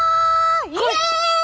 イエイ！